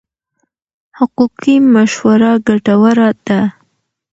حقوقي مشوره ګټوره ده.